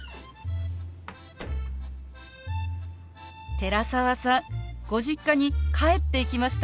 寺澤さんご実家に帰っていきましたね。